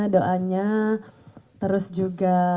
doanya terus juga